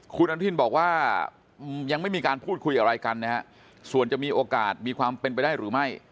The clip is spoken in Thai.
คุณอนุทินบอกว่ายังไม่มีการพูดคุยอะไรกันนะฮะส่วนจะมีโอกาสมีความเป็นไปได้หรือไม่